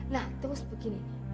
nah terus begini